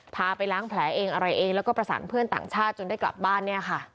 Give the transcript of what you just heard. พาไปล้างแผลเองอะไรเองแล้วก็ประสานเพื่อนต่างชาติจนได้กลับบ้านเนี่ยค่ะ